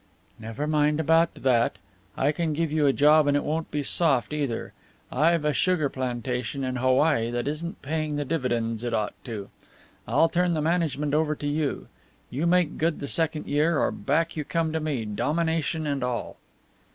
"Never mind about that. I can give you a job, and it won't be soft, either. I've a sugar plantation in Hawaii that isn't paying the dividends it ought to. I'll turn the management over to you. You make good the second year, or back you come to me, domination and all."